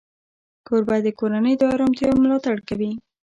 کوربه د کورنۍ د آرامتیا ملاتړ کوي.